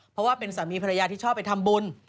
เพราะว่าเป็นสามีภรรยาที่ชอบไปทำบุญ